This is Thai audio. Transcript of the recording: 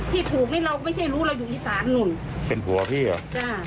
ที่ถูกนี่เราก็ไม่ใช่รู้เราอยู่อีสานนู่นเป็นผัวพี่เหรอจ้ะ